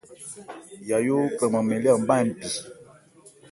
Yayó kranman mɛn lê an má npi.